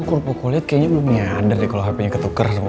lu kurpo kulit kayaknya belum nyadar deh kalo hpnya ketuker sama gua